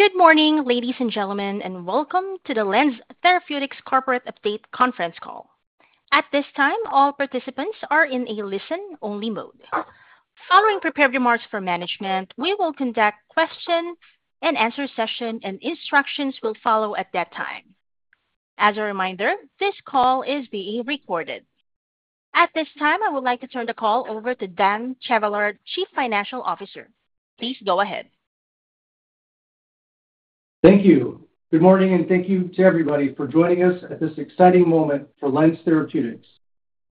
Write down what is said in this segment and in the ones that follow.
Good morning, ladies and gentlemen, and welcome to the LENZ Therapeutics corporate update conference call. At this time, all participants are in a listen-only mode. Following prepared remarks from management, we will conduct a question and answer session, and instructions will follow at that time. As a reminder, this call is being recorded. At this time, I would like to turn the call over to Dan Chevallard, Chief Financial Officer. Please go ahead. Thank you. Good morning, and thank you to everybody for joining us at this exciting moment for LENZ Therapeutics.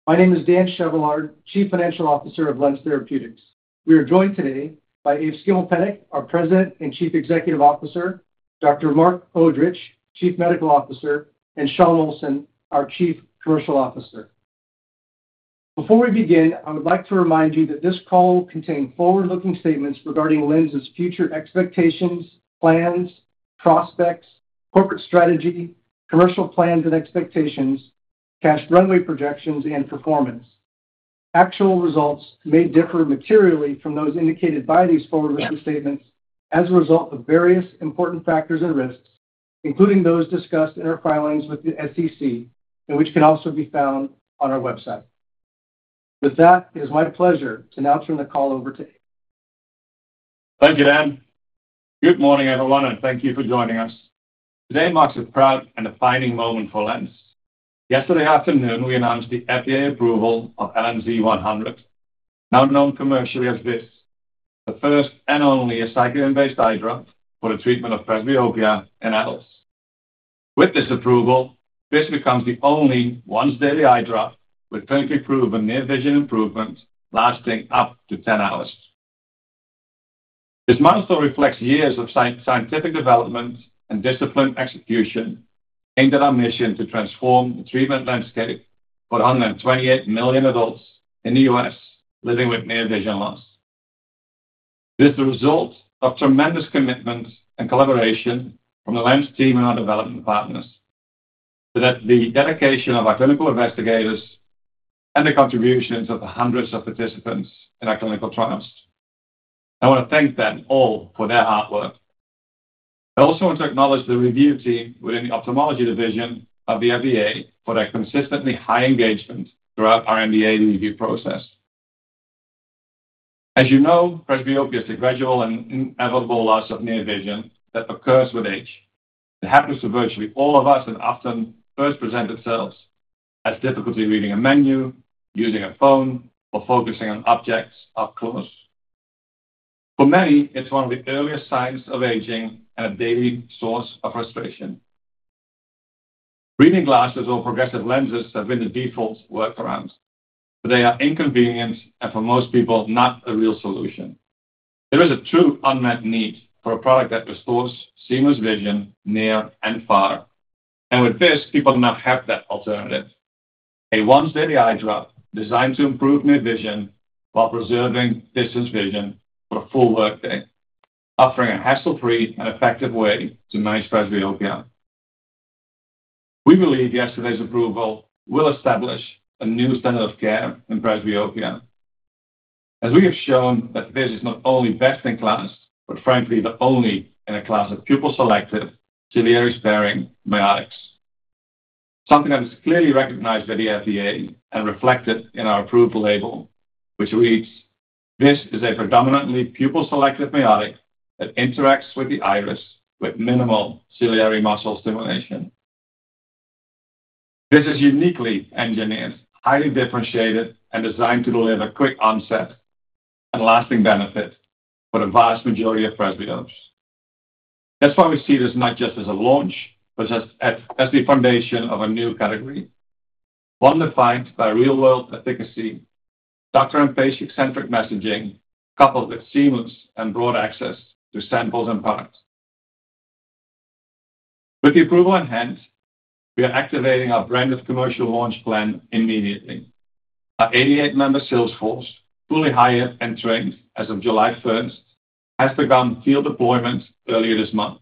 My name is Dan Chevallard, Chief Financial Officer of LENZ Therapeutics. We are joined today by Evert Schimmelpennink, our President and Chief Executive Officer, Dr. Marc Odrich, Chief Medical Officer, and Shawn Olsson, our Chief Commercial Officer. Before we begin, I would like to remind you that this call will contain forward-looking statements regarding LENZ's future expectations, plans, prospects, corporate strategy, commercial plans and expectations, cash runway projections, and performance. Actual results may differ materially from those indicated by these forward-looking statements as a result of various important factors and risks, including those discussed in our filings with the SEC, and which can also be found on our website. With that, it is my pleasure to now turn the call over to Evert. Thank you, Dan. Good morning, everyone, and thank you for joining us. Today marks a proud and defining moment for LENZ Therapeutics. Yesterday afternoon, we announced the FDA approval of LNZ100, now known commercially as BIS, the first and only ciliary-sparing eye drop for the treatment of presbyopia in adults. With this approval, BIS becomes the only once-daily eye drop with clinically proven near-vision improvement lasting up to 10 hours. This milestone reflects years of scientific development and disciplined execution, aimed at our mission to transform the treatment landscape for 128 million adults in the U.S. living with near-vision loss. This is the result of tremendous commitment and collaboration from the LENZ Therapeutics team and our development partners, with the dedication of our clinical investigators and the contributions of hundreds of participants in our clinical trials. I want to thank them all for their hard work. I also want to acknowledge the review team within the Ophthalmology Division of the FDA for their consistently high engagement throughout our NDA review process. As you know, presbyopia is the gradual and inevitable loss of near vision that occurs with age. It happens to virtually all of us and often first presents itself as difficulty reading a menu, using a phone, or focusing on objects up close. For many, it's one of the earliest signs of aging and a daily source of frustration. Reading glasses or progressive lenses have been the default workaround, but they are inconvenient and, for most people, not a real solution. There is a true unmet need for a product that restores seamless vision near and far, and with BIS, people now have that alternative. A once-daily eye drop designed to improve near vision while preserving distance vision for a full workday, offering a hassle-free and effective way to manage presbyopia. We believe yesterday's approval will establish a new standard of care in presbyopia, as we have shown that this is not only best in class, but frankly the only in a class of pupil-selective, ciliary-sparing myotics. This is clearly recognized by the FDA and reflected in our approval label, which reads, "BIS is a predominantly pupil-selective myotic that interacts with the iris with minimal ciliary muscle stimulation." This is uniquely engineered, highly differentiated, and designed to deliver quick onset and lasting benefit for the vast majority of presbyopes. That's why we see this not just as a launch, but as the foundation of a new category, one defined by real-world efficacy, doctor and patient-centric messaging, coupled with seamless and broad access to samples and parts. With the approval in hand, we are activating our branded commercial launch plan immediately. Our 88-member sales force, fully hired and trained as of July 1, has begun field deployment earlier this month.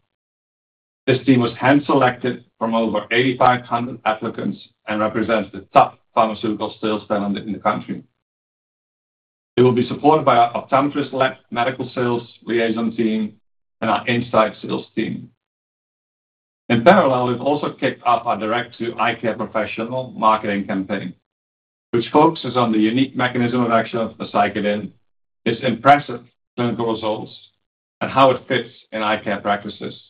This team was hand-selected from over 8,500 applicants and represents the top pharmaceutical sales spend in the country. It will be supported by our Optometry Select Medical Sales Liaison Team and our Insight Sales Team. In parallel, we've also kicked off our direct-to-eye care professional marketing campaign, which focuses on the unique mechanism of action of BIS, its impressive clinical results, and how it fits in eye care practices.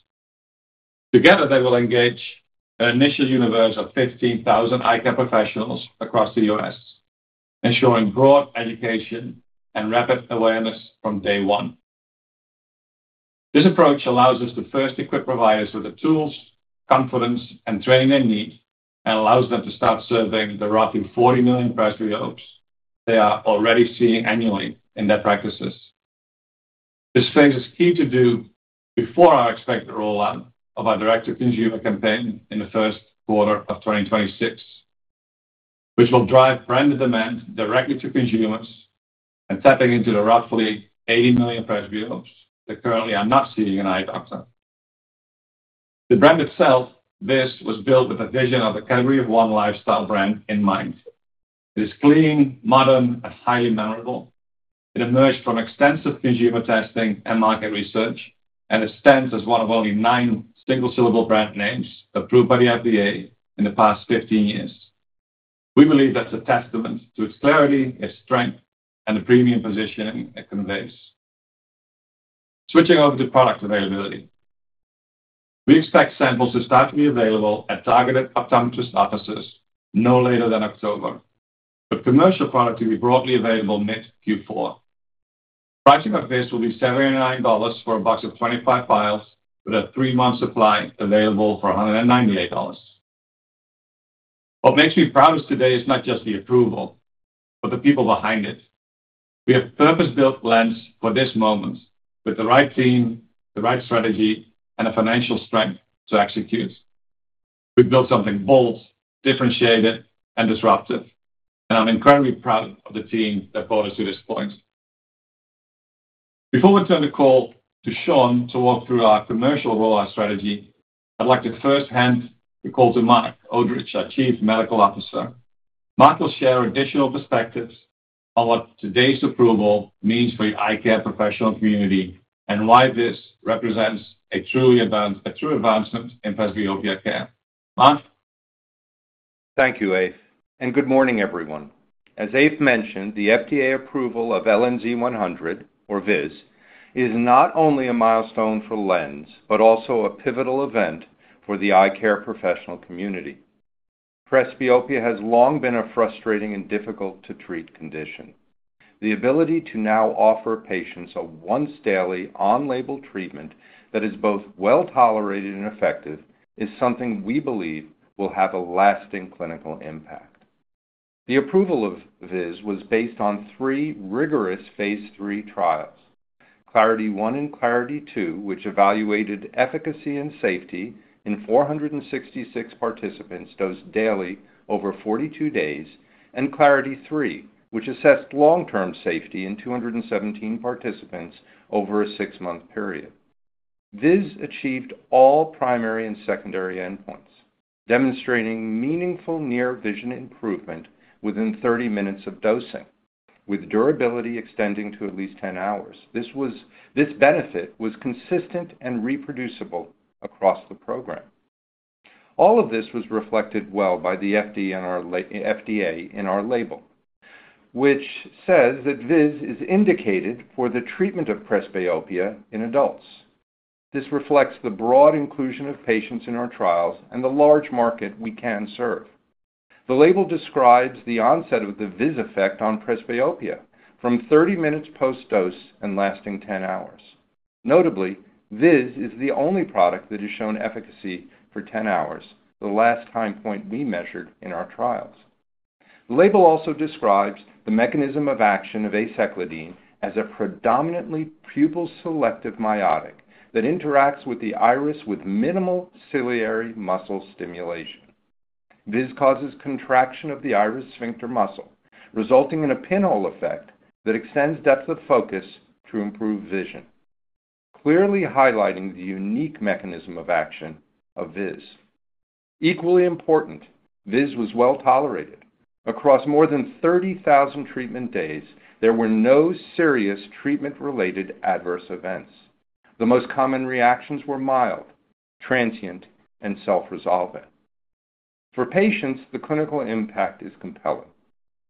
Together, they will engage an initial universe of 15,000 eye care professionals across the U.S., ensuring broad education and rapid awareness from day one. This approach allows us to first equip providers with the tools, confidence, and training they need, and allows them to start serving the roughly 40 million presbyopes they are already seeing annually in their practices. This phase is key to do before our expected rollout of our direct-to-consumer campaign in the first quarter of 2026, which will drive branded demand directly to consumers and tapping into the roughly 80 million presbyopes that currently are not seeing an eye doctor. The brand itself, BIS, was built with a vision of the Category 1 lifestyle brand in mind. It is clean, modern, and highly memorable. It emerged from extensive consumer testing and market research and stands as one of only nine single-syllable brand names approved by the FDA in the past 15 years. We believe that's a testament to its clarity, its strength, and the premium positioning it conveys. Switching over to product availability, we expect samples to start to be available at targeted optometrist offices no later than October, with commercial product to be broadly available mid-Q4. Pricing of this will be $79 for a box of 25 vials with a three-month supply available for $198. What makes me proudest today is not just the approval, but the people behind it. We have purpose-built LENZ Therapeutics for this moment with the right team, the right strategy, and the financial strength to execute. We've built something bold, differentiated, and disruptive, and I'm incredibly proud of the team that brought us to this point. Before we turn the call to Shawn to walk through our commercial rollout strategy, I'd like to first hand the call to Marc Odrich, our Chief Medical Officer. Marc will share additional perspectives on what today's approval means for the eye care professional community and why this represents a true advancement in presbyopia care. Marc. Thank you, Eve, and good morning, everyone. As Eve mentioned, the FDA approval of LNZ100, or BIS, is not only a milestone for LENZ Therapeutics, but also a pivotal event for the eye care professional community. Presbyopia has long been a frustrating and difficult-to-treat condition. The ability to now offer patients a once-daily on-label treatment that is both well-tolerated and effective is something we believe will have a lasting clinical impact. The approval of BIS was based on three rigorous phase 3 trials: Clarity 1 and Clarity 2, which evaluated efficacy and safety in 466 participants dosed daily over 42 days, and Clarity 3, which assessed long-term safety in 217 participants over a six-month period. BIS achieved all primary and secondary endpoints, demonstrating meaningful near-vision improvement within 30 minutes of dosing, with durability extending to at least 10 hours. This benefit was consistent and reproducible across the program. All of this was reflected well by the FDA in our label, which says that BIS is indicated for the treatment of presbyopia in adults. This reflects the broad inclusion of patients in our trials and the large market we can serve. The label describes the onset of the BIS effect on presbyopia from 30 minutes post-dose and lasting 10 hours. Notably, BIS is the only product that has shown efficacy for 10 hours, the last time point we measured in our trials. The label also describes the mechanism of action of Aceclidine as a predominantly pupil-selective myotic that interacts with the iris with minimal ciliary muscle stimulation. BIS causes contraction of the iris sphincter muscle, resulting in a pinhole effect that extends depth of focus to improve vision, clearly highlighting the unique mechanism of action of BIS. Equally important, BIS was well-tolerated. Across more than 30,000 treatment days, there were no serious treatment-related adverse events. The most common reactions were mild, transient, and self-resolving. For patients, the clinical impact is compelling.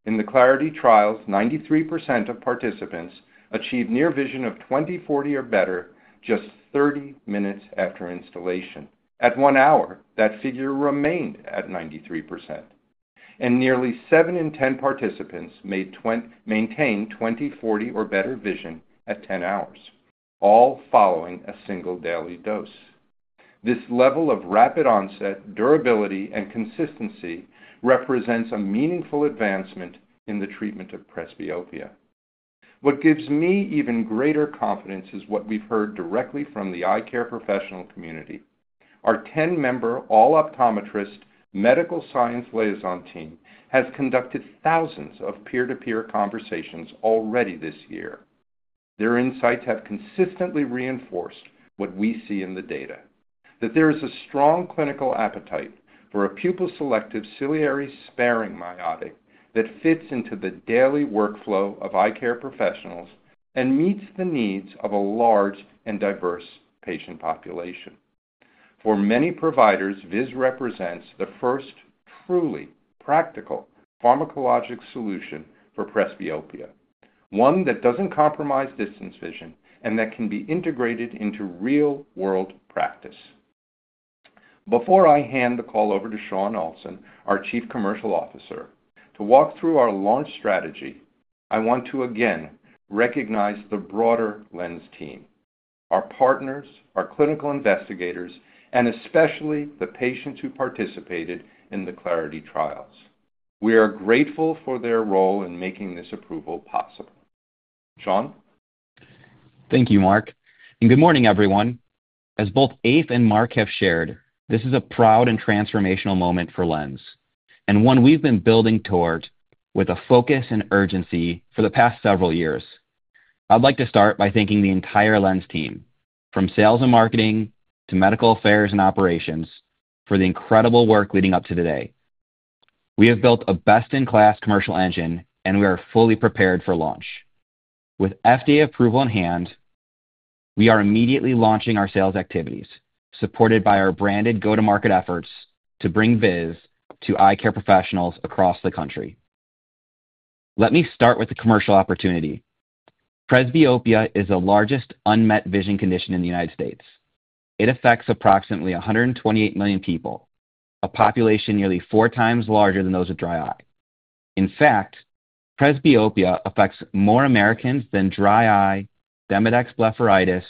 In the Clarity trials, 93% of participants achieved near vision of 20/40 or better just 30 minutes after instillation. At one hour, that figure remained at 93%, and nearly 7 in 10 participants maintained 20/40 or better vision at 10 hours, all following a single daily dose. This level of rapid onset, durability, and consistency represents a meaningful advancement in the treatment of presbyopia. What gives me even greater confidence is what we've heard directly from the eye care professional community. Our 10-member all-optometrist medical science liaison team has conducted thousands of peer-to-peer conversations already this year. Their insights have consistently reinforced what we see in the data, that there is a strong clinical appetite for a pupil-selective, ciliary-sparing myotic that fits into the daily workflow of eye care professionals and meets the needs of a large and diverse patient population. For many providers, BIS represents the first truly practical pharmacologic solution for presbyopia, one that doesn't compromise distance vision and that can be integrated into real-world practice. Before I hand the call over to Shawn Olsson, our Chief Commercial Officer, to walk through our launch strategy, I want to again recognize the broader LENZ Therapeutics team, our partners, our clinical investigators, and especially the patients who participated in the Clarity trials. We are grateful for their role in making this approval possible. Shawn? Thank you, Marc, and good morning, everyone. As both Evert and Marc have shared, this is a proud and transformational moment for LENZ Therapeutics and one we've been building toward with a focus and urgency for the past several years. I'd like to start by thanking the entire LENZ Therapeutics team, from sales and marketing to medical affairs and operations, for the incredible work leading up to today. We have built a best-in-class commercial engine, and we are fully prepared for launch. With FDA approval in hand, we are immediately launching our sales activities, supported by our branded go-to-market efforts to bring BIS to eye care professionals across the country. Let me start with the commercial opportunity. Presbyopia is the largest unmet vision condition in the United States. It affects approximately 128 million people, a population nearly four times larger than those with dry eye. In fact, presbyopia affects more Americans than dry eye, Demodex blepharitis,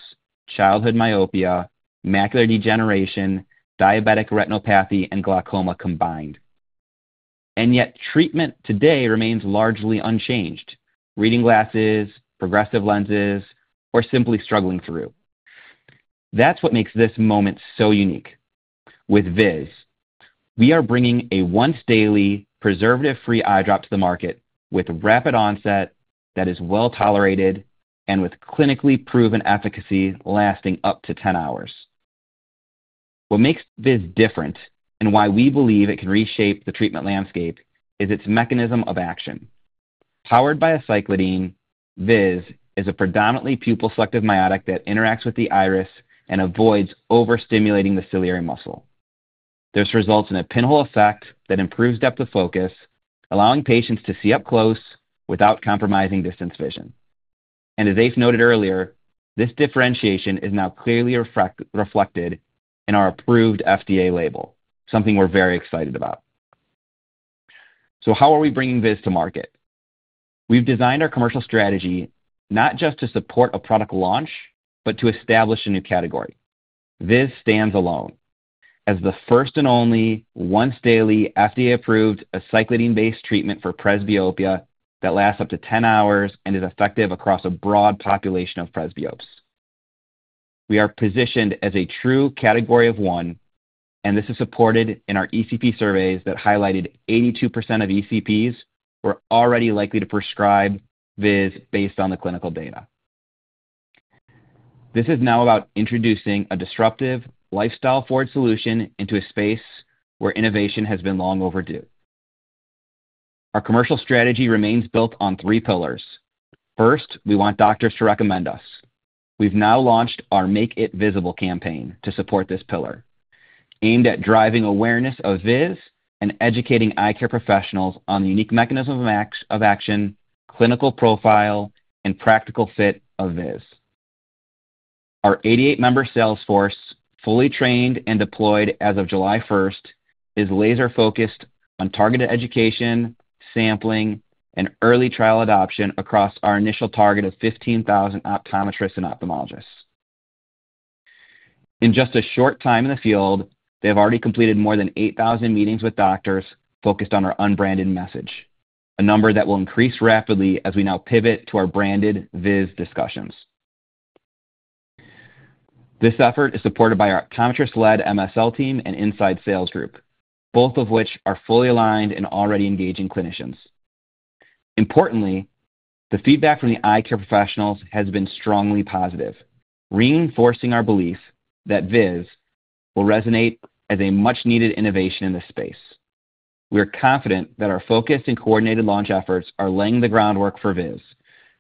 childhood myopia, macular degeneration, diabetic retinopathy, and glaucoma combined. Yet treatment today remains largely unchanged: reading glasses, progressive lenses, or simply struggling through. That is what makes this moment so unique. With BIS, we are bringing a once-daily, preservative-free eye drop to the market with rapid onset that is well-tolerated and with clinically proven efficacy lasting up to 10 hours. What makes BIS different and why we believe it can reshape the treatment landscape is its mechanism of action. Powered by Aceclidine, BIS is a predominantly pupil-selective myotic that interacts with the iris and avoids overstimulating the ciliary muscle. This results in a pinhole effect that improves depth of focus, allowing patients to see up close without compromising distance vision. As Evert noted earlier, this differentiation is now clearly reflected in our approved FDA label, something we're very excited about. How are we bringing BIS to market? We've designed our commercial strategy not just to support a product launch, but to establish a new category. BIS stands alone as the first and only once-daily, FDA-approved Aceclidine-based treatment for presbyopia that lasts up to 10 hours and is effective across a broad population of presbyopes. We are positioned as a true Category of 1, and this is supported in our ECP surveys that highlighted 82% of ECPs were already likely to prescribe BIS based on the clinical data. This is now about introducing a disruptive, lifestyle-forward solution into a space where innovation has been long overdue. Our commercial strategy remains built on three pillars. First, we want doctors to recommend us. We've now launched our Make It Visible campaign to support this pillar, aimed at driving awareness of BIS and educating eye care professionals on the unique mechanism of action, clinical profile, and practical fit of BIS. Our 88-member sales force, fully trained and deployed as of July 1, is laser-focused on targeted education, sampling, and early trial adoption across our initial target of 15,000 optometrists and ophthalmologists. In just a short time in the field, they have already completed more than 8,000 meetings with doctors focused on our unbranded message, a number that will increase rapidly as we now pivot to our branded BIS discussions. This effort is supported by our optometrist-led MSL team and Insight Sales Group, both of which are fully aligned and already engaging clinicians. Importantly, the feedback from the eye care professionals has been strongly positive, reinforcing our belief that BIS will resonate as a much-needed innovation in this space. We are confident that our focused and coordinated launch efforts are laying the groundwork for BIS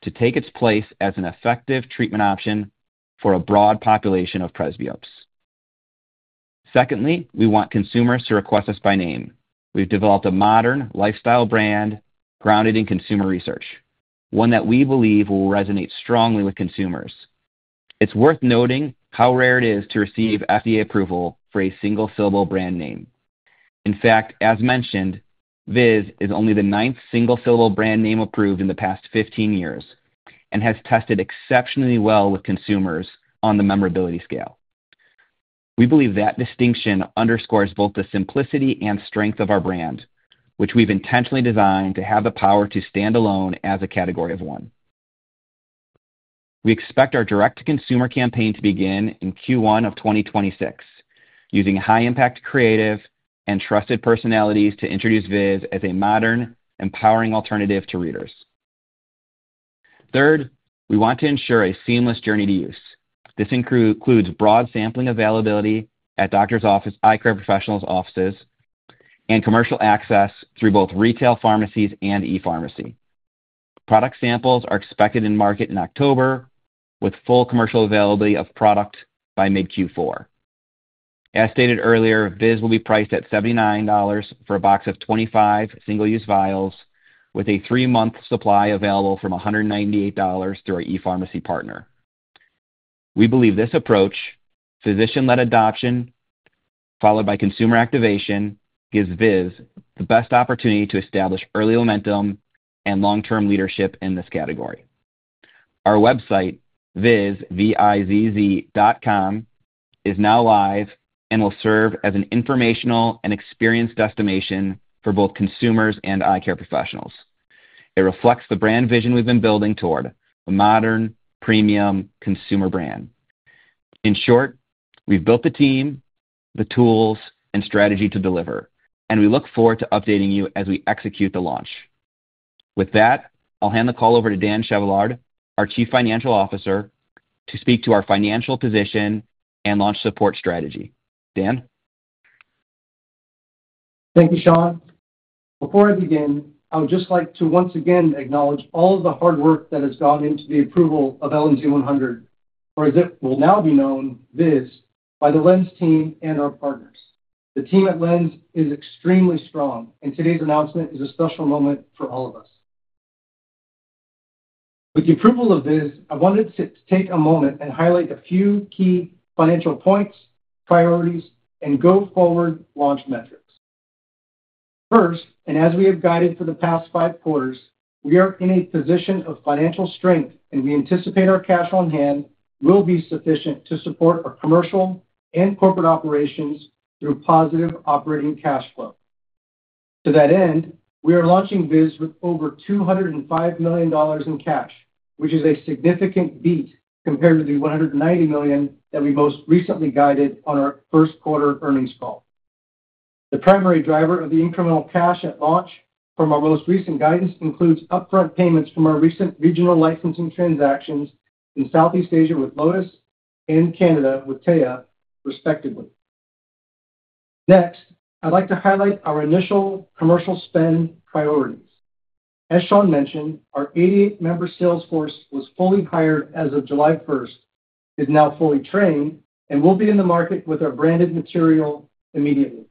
to take its place as an effective treatment option for a broad population of presbyopes. Secondly, we want consumers to request us by name. We've developed a modern lifestyle brand grounded in consumer research, one that we believe will resonate strongly with consumers. It's worth noting how rare it is to receive FDA approval for a single-syllable brand name. In fact, as mentioned, BIS is only the ninth single-syllable brand name approved in the past 15 years and has tested exceptionally well with consumers on the memorability scale. We believe that distinction underscores both the simplicity and strength of our brand, which we've intentionally designed to have the power to stand alone as a Category of 1. We expect our direct-to-consumer campaign to begin in Q1 of 2026, using high-impact creative and trusted personalities to introduce BIS as a modern, empowering alternative to readers. Third, we want to ensure a seamless journey to use. This includes broad sampling availability at doctors' offices, eye care professionals' offices, and commercial access through both retail pharmacies and e-pharmacy. Product samples are expected in market in October, with full commercial availability of product by mid-Q4. As stated earlier, BIS will be priced at $79 for a box of 25 single-use vials, with a three-month supply available from $198 through our e-pharmacy partner. We believe this approach, physician-led adoption followed by consumer activation, gives BIS the best opportunity to establish early momentum and long-term leadership in this category. Our website, bisviz.com, is now live and will serve as an informational and experienced destination for both consumers and eye care professionals. It reflects the brand vision we've been building toward, a modern, premium consumer brand. In short, we've built the team, the tools, and strategy to deliver, and we look forward to updating you as we execute the launch. With that, I'll hand the call over to Dan Chevallard, our Chief Financial Officer, to speak to our financial position and launch support strategy. Dan? Thank you, Shawn. Before I begin, I would just like to once again acknowledge all of the hard work that has gone into the approval of LNZ100, or as it will now be known, BIS, by the LENZ team and our partners. The team at LENZ is extremely strong, and today's announcement is a special moment for all of us. With the approval of BIS, I wanted to take a moment and highlight a few key financial points, priorities, and go-forward launch metrics. First, and as we have guided for the past five quarters, we are in a position of financial strength, and we anticipate our cash on hand will be sufficient to support our commercial and corporate operations through positive operating cash flow. To that end, we are launching BIS with over $205 million in cash, which is a significant beat compared to the $190 million that we most recently guided on our first quarter earnings call. The primary driver of the incremental cash at launch, from our most recent guidance, includes upfront payments from our recent regional licensing transactions in Southeast Asia with Lotus and Canada with TAYA, respectively. Next, I'd like to highlight our initial commercial spend priorities. As Shawn mentioned, our 88-member sales force was fully hired as of July 1, is now fully trained, and will be in the market with our branded material immediately.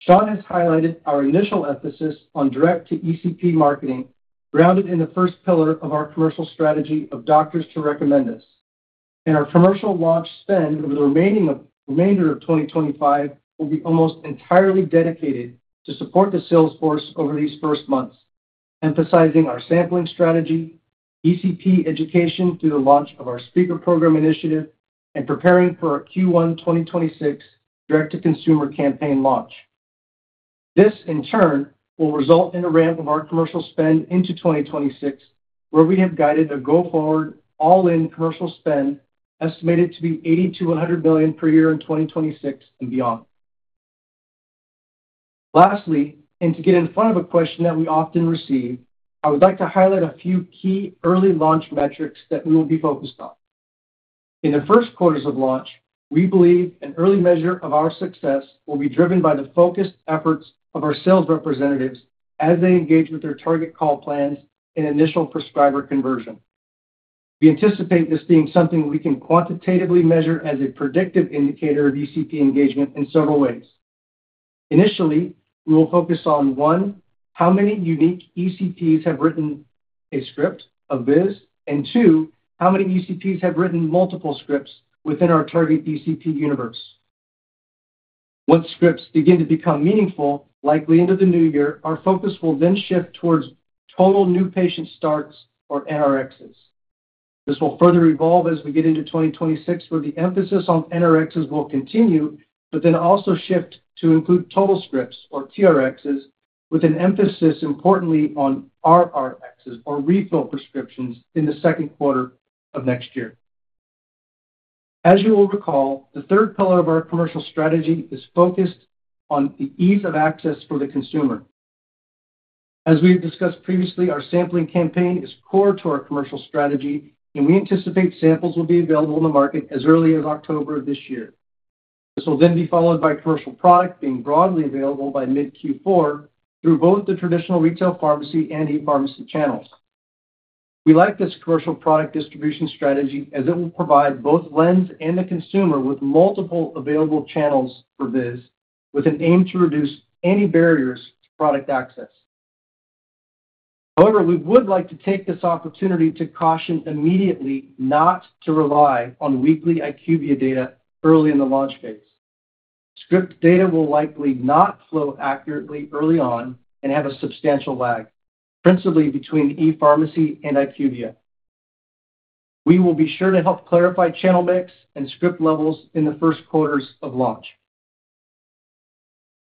Shawn has highlighted our initial emphasis on direct-to-ECP marketing, grounded in the first pillar of our commercial strategy of doctors to recommend us. Our commercial launch spend over the remainder of 2025 will be almost entirely dedicated to support the sales force over these first months, emphasizing our sampling strategy, ECP education through the launch of our speaker program initiative, and preparing for our Q1 2026 direct-to-consumer campaign launch. This, in turn, will result in a ramp of our commercial spend into 2026, where we have guided a go-forward all-in commercial spend estimated to be $80 to $100 million per year in 2026 and beyond. Lastly, and to get in front of a question that we often receive, I would like to highlight a few key early launch metrics that we will be focused on. In the first quarters of launch, we believe an early measure of our success will be driven by the focused efforts of our sales representatives as they engage with their target call plans and initial prescriber conversion. We anticipate this being something we can quantitatively measure as a predictive indicator of ECP engagement in several ways. Initially, we will focus on, one, how many unique ECPs have written a script of BIS, and two, how many ECPs have written multiple scripts within our target ECP universe. Once scripts begin to become meaningful, likely into the new year, our focus will then shift towards total new patient starts, or NRXs. This will further evolve as we get into 2026, where the emphasis on NRXs will continue, but then also shift to include total scripts, or TRXs, with an emphasis importantly on RRXs, or refill prescriptions, in the second quarter of next year. As you will recall, the third pillar of our commercial strategy is focused on the ease of access for the consumer. As we have discussed previously, our sampling campaign is core to our commercial strategy, and we anticipate samples will be available in the market as early as October of this year. This will then be followed by commercial product being broadly available by mid-Q4 through both the traditional retail pharmacy and e-pharmacy channels. We like this commercial product distribution strategy as it will provide both LENZ and the consumer with multiple available channels for BIS, with an aim to reduce any barriers to product access. However, we would like to take this opportunity to caution immediately not to rely on weekly IQVIA data early in the launch phase. Script data will likely not flow accurately early on and have a substantial lag, principally between the e-pharmacy and IQVIA. We will be sure to help clarify channel mix and script levels in the first quarters of launch.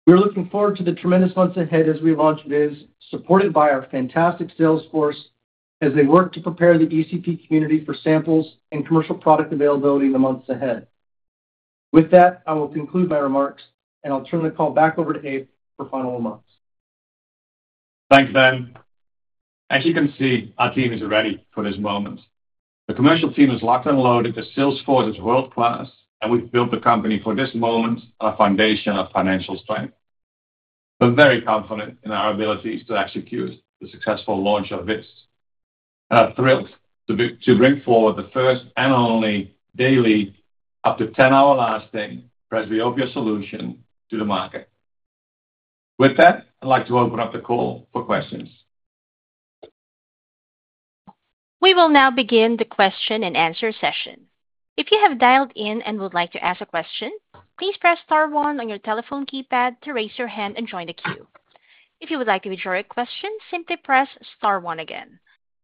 We are looking forward to the tremendous months ahead as we launch BIS, supported by our fantastic sales force, as they work to prepare the ECP community for samples and commercial product availability in the months ahead. With that, I will conclude my remarks, and I'll turn the call back over to Evert for final remarks. Thanks, Dan. As you can see, our team is ready for this moment. The commercial team has locked and loaded the sales force as world-class, and we've built the company for this moment on a foundation of financial strength. We're very confident in our abilities to execute the successful launch of BIS, and I'm thrilled to bring forward the first and only daily, up to 10-hour lasting presbyopia solution to the market. With that, I'd like to open up the call for questions. We will now begin the question and answer session. If you have dialed in and would like to ask a question, please press star one on your telephone keypad to raise your hand and join the queue. If you would like to be sure a question, simply press star one again.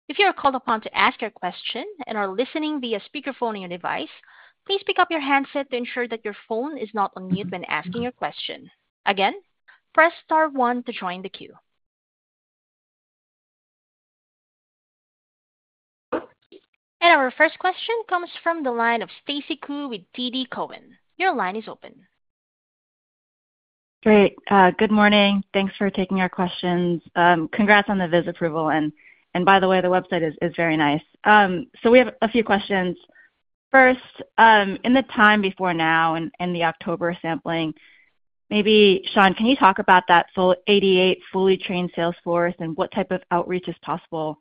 If you are called upon to ask your question and are listening via speakerphone on your device, please pick up your handset to ensure that your phone is not on mute when asking your question. Again, press star one to join the queue. Our first question comes from the line of Stacy Ku with TD Cowen. Your line is open. Great. Good morning. Thanks for taking our questions. Congrats on the BIS approval. By the way, the website is very nice. We have a few questions. First, in the time before now and the October sampling, maybe, Shawn, can you talk about that full 88 fully trained sales force and what type of outreach is possible?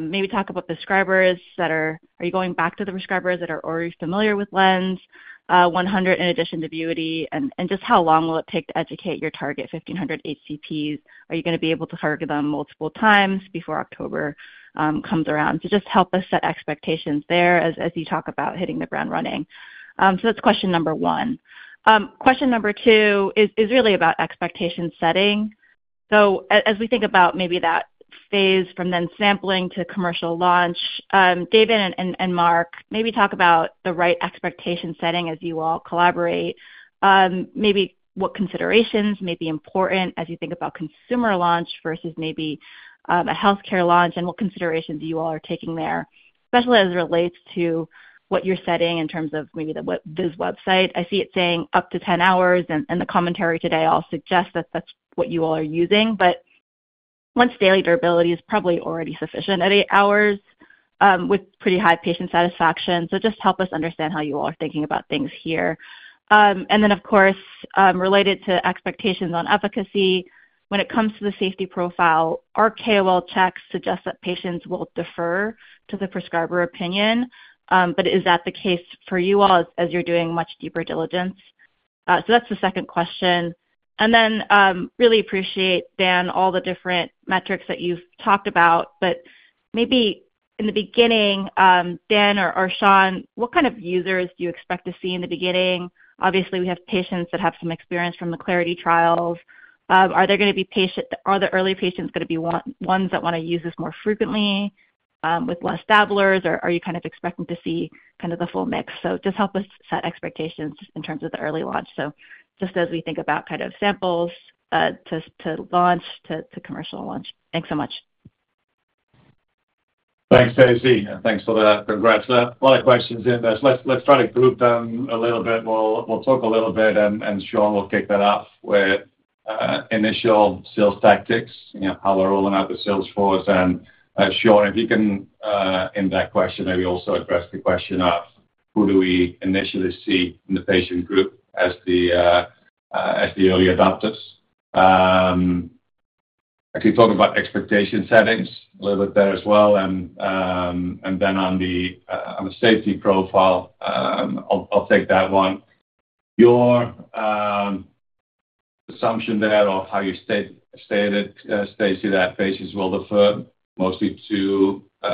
Maybe talk about prescribers that are, are you going back to the prescribers that are already familiar with LNZ100 in addition to Vuity? Just how long will it take to educate your target 1,500 ECPs? Are you going to be able to target them multiple times before October comes around? Help us set expectations there as you talk about hitting the ground running. That's question number one. Question number two is really about expectation setting. As we think about maybe that phase from then sampling to commercial launch, David and Marc, maybe talk about the right expectation setting as you all collaborate. What considerations may be important as you think about consumer launch versus maybe a health care launch and what considerations you all are taking there, especially as it relates to what you're setting in terms of maybe the BIS website. I see it saying up to 10 hours, and the commentary today all suggests that that's what you all are using. Once daily durability is probably already sufficient at eight hours with pretty high patient satisfaction. Help us understand how you all are thinking about things here. Of course, related to expectations on efficacy, when it comes to the safety profile, our KOL checks suggest that patients will defer to the prescriber opinion. Is that the case for you all as you're doing much deeper diligence? That's the second question. Really appreciate, Dan, all the different metrics that you've talked about. Maybe in the beginning, Dan or Shawn, what kind of users do you expect to see in the beginning? Obviously, we have patients that have some experience from the Clarity trials. Are the early patients going to be ones that want to use this more frequently with less dabblers, or are you kind of expecting to see kind of the full mix? Help us set expectations in terms of the early launch as we think about kind of samples to launch to commercial launch. Thanks so much. Thanks, Stacy. Thanks for the congrats. A lot of questions in there. Let's try to group them a little bit. We'll talk a little bit, and Shawn will kick that off. Initial sales tactics, how we're rolling out the sales force. Shawn, if you can end that question, maybe also address the question of who do we initially see in the patient group as the early adopters. I keep talking about expectation settings a little bit there as well. On the safety profile, I'll take that one. Your assumption there of how you stated, Stacy, that patients will defer mostly to the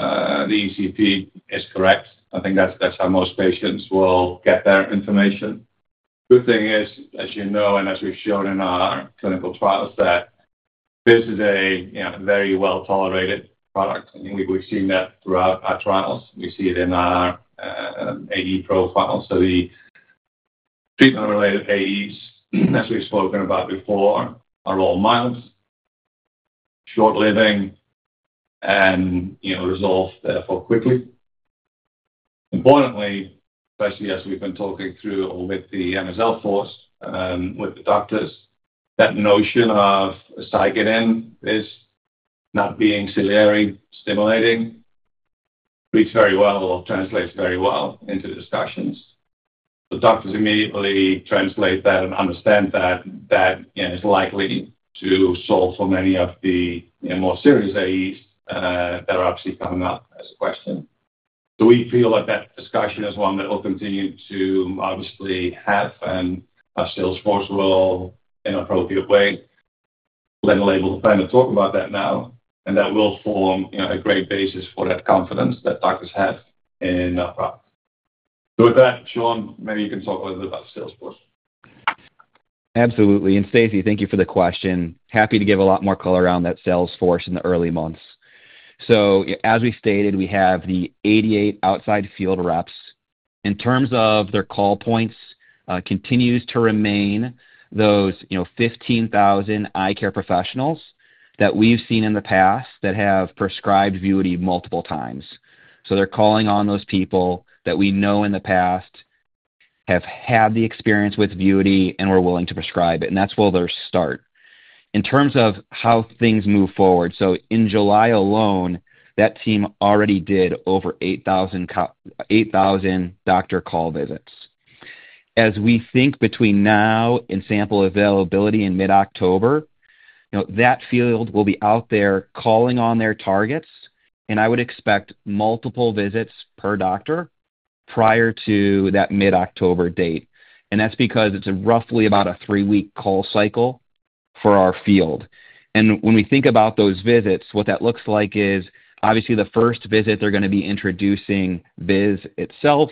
ECP is correct. I think that's how most patients will get their information. The good thing is, as you know, and as we've shown in our clinical trials, this is a very well-tolerated product. We've seen that throughout our trials. We see it in our AE profiles. The treatment-related AEs, as we've spoken about before, are all mild, short-living, and resolve therefore quickly. Importantly, especially as we've been talking through with the MSL force and with the doctors, that notion of Aceclidine not being ciliary-sparing reads very well or translates very well into discussions. The doctors immediately translate that and understand that that is likely to solve for many of the more serious AEs, and they're obviously coming up as a question. We feel that that discussion is one that will continue to obviously have, and our sales force will probably be the place. Let me label the plan to talk about that now, and that will form a great basis for that confidence that doctors have in our product. With that, Shawn, maybe you can talk a little bit about the sales force. Absolutely. Stacy, thank you for the question. Happy to give a lot more color around that sales force in the early months. As we stated, we have the 88 outside field reps. In terms of their call points, it continues to remain those 15,000 eye care professionals that we've seen in the past that have prescribed Vuity multiple times. They're calling on those people that we know in the past have had the experience with Vuity and were willing to prescribe it. That's where they'll start. In terms of how things move forward, in July alone, that team already did over 8,000 doctor call visits. As we think between now and sample availability in mid-October, you know that field will be out there calling on their targets, and I would expect multiple visits per doctor prior to that mid-October date. That's because it's roughly about a three-week call cycle for our field. When we think about those visits, what that looks like is obviously the first visit they're going to be introducing BIS itself.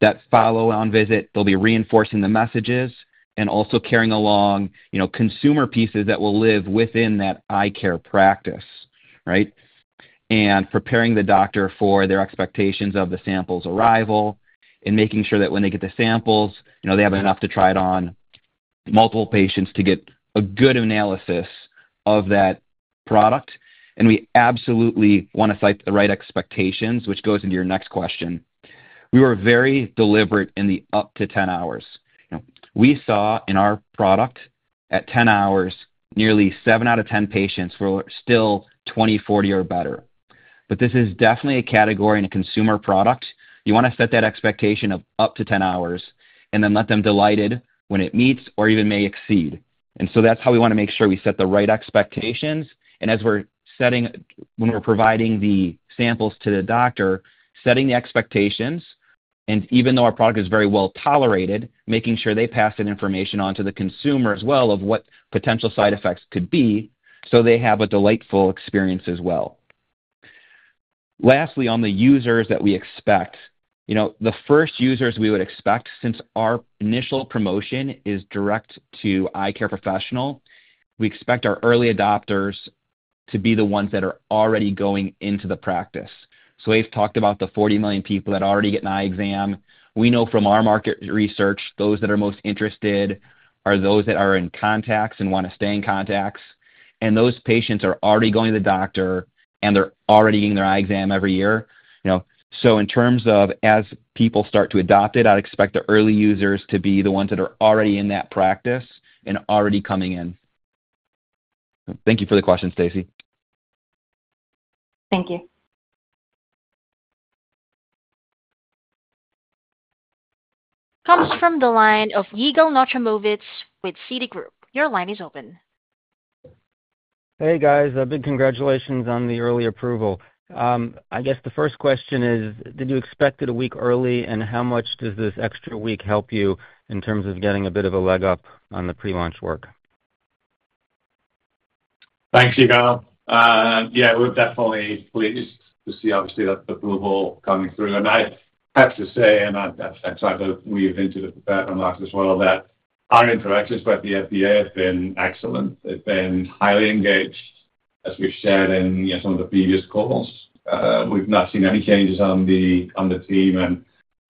That follow-on visit, they'll be reinforcing the messages and also carrying along consumer pieces that will live within that eye care practice, right? Preparing the doctor for their expectations of the samples arrival and making sure that when they get the samples, you know they have enough to try it on multiple patients to get a good analysis of that product. We absolutely want to cite the right expectations, which goes into your next question. We were very deliberate in the up to 10 hours. We saw in our product at 10 hours, nearly 7 out of 10 patients were still 20/40 or better. This is definitely a category in a consumer product. You want to set that expectation of up to 10 hours and then let them be delighted when it meets or even may exceed. That's how we want to make sure we set the right expectations. As we're setting, when we're providing the samples to the doctor, setting the expectations, and even though our product is very well tolerated, making sure they pass that information on to the consumer as well of what potential side effects could be so they have a delightful experience as well. Lastly, on the users that we expect, the first users we would expect since our initial promotion is direct to eye care professional, we expect our early adopters to be the ones that are already going into the practice. We've talked about the 40 million people that already get an eye exam. We know from our market research, those that are most interested are those that are in contacts and want to stay in contacts. Those patients are already going to the doctor, and they're already getting their eye exam every year. In terms of as people start to adopt it, I'd expect the early users to be the ones that are already in that practice and already coming in. Thank you for the question, Stacy. Thank you. Comes from the line of Yigal Nochomovitz with Citigroup. Your line is open. Hey, guys. A big congratulations on the early approval. I guess the first question is, did you expect it a week early, and how much does this extra week help you in terms of getting a bit of a leg up on the pre-launch work? Thank you, Gal. Yeah, we're definitely pleased to see, obviously, that approval coming through. I have to say, and I've tried to weave into that unbox as well, that our interactions with the FDA have been excellent. They've been highly engaged. We've shared in some of the previous calls. We've not seen any changes on the team, and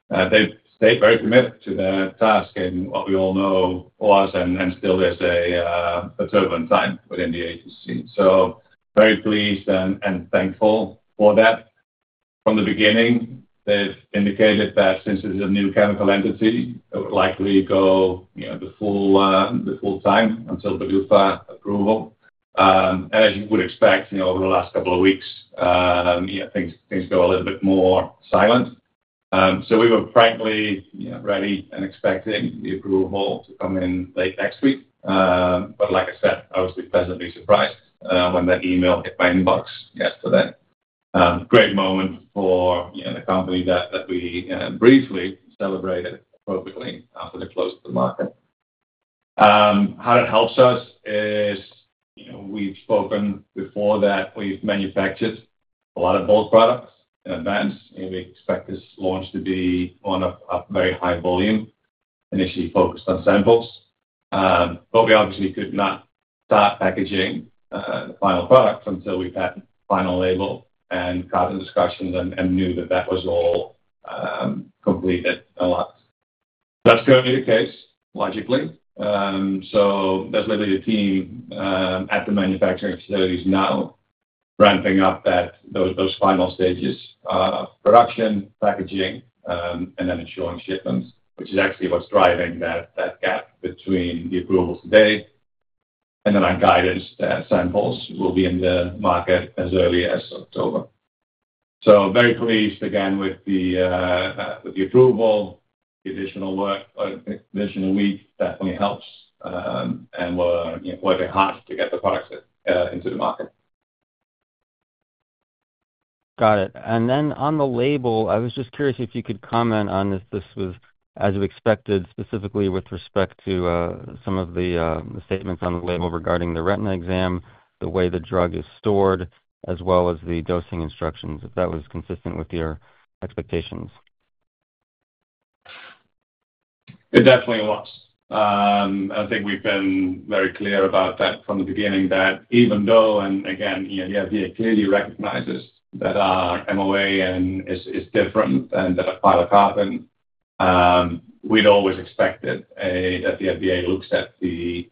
they're very committed to that task and what we all know was and still is a turbulent time within the agency. Very pleased and thankful for that. From the beginning, they've indicated that since it is a new chemical entity, it would likely go the full time until the approval. As you would expect, you know over the last couple of weeks, things go a little bit more silent. We were frankly ready and expecting the approval to come in late next week. Like I said, I was pleasantly surprised when that email hit my inbox yesterday. Great moment for the company that we briefly celebrated appropriately after they closed the market. How it helps us is, you know we've spoken before that we've manufactured a lot of old products in advance, and we expect this launch to be one of very high volume, initially focused on samples. We obviously could not start packaging final products until we had final label and product discussions and knew that that was all completed a lot. That's currently the case, logically. That's basically the team at the manufacturing facilities now ramping up those final stages of production, packaging, and then ensuring shipments, which is actually what's driving that gap between the approval today and then our guidance that samples will be in the market as early as October. Very pleased again with the approval. The additional work, additional week definitely helps, and we're working hard to get the products into the market. Got it. On the label, I was just curious if you could comment on if this was as we expected, specifically with respect to some of the statements on the label regarding the retina exam, the way the drug is stored, as well as the dosing instructions, if that was consistent with your expectations. It definitely was. I don't think we've been very clear about that from the beginning that even though, and again, the FDA clearly recognizes that our MOA is different than the final product, we'd always expect it if the FDA looks at the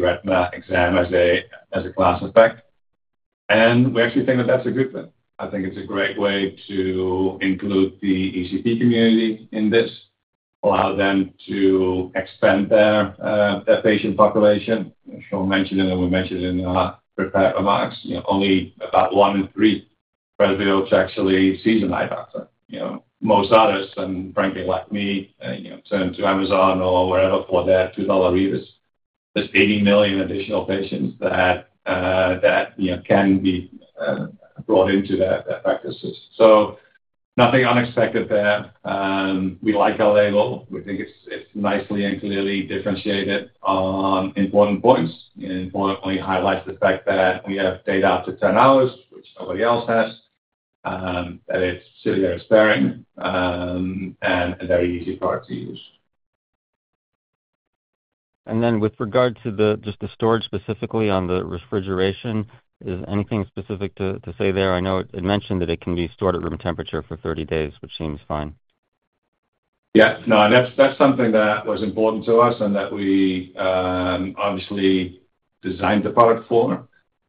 retina exam as a class effect. We actually think that that's a good thing. I think it's a great way to include the ECP community in this, allow them to extend their patient population. We mentioned it in our prepared remarks, only about one reason for the field to actually see the eye doctor. Most others, and frankly, like me, turn to Amazon or wherever for their $2 readers. There's 80 million additional patients that can be brought into their practices. Nothing unexpected there. We like our label. We think it's nicely and clearly differentiated on important points. It importantly highlights the fact that we have data up to 10 hours, which nobody else has, that it's ciliary-sparing and very easy product to use. With regard to just the storage specifically on the refrigeration, is anything specific to say there? I know it mentioned that it can be stored at room temperature for 30 days, which seems fine. Yes. No, that's something that was important to us and that we obviously designed the product for.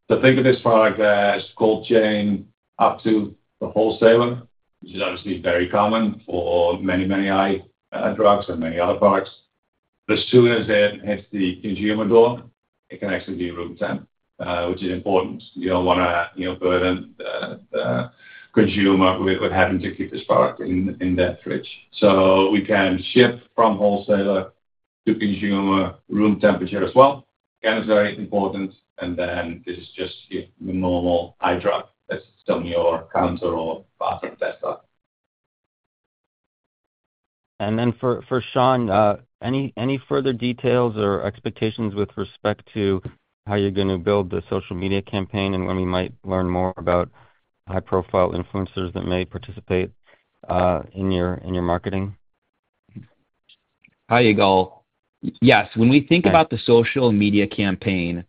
The thing is for our scope, chain up to the whole saline, which is obviously very common for many, many eye drugs and many other products. As soon as it hits the consumer door, it can actually be room temp, which is important. You don't want to burden the consumer with having to keep this product in their fridge. We can ship from wholesaler to consumer room temperature as well. It's very important. Then there's just your normal eye drop that's on your counter or bathroom desk. Are there any further details or expectations with respect to how you're going to build the social media campaign and when we might learn more about high-profile influencers that may participate in your marketing? Hi, Yigal. Yes. When we think about the social media campaign,